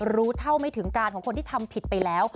รู้เท่าไม่ถึงการของคนที่ทำผิดไปแล้ว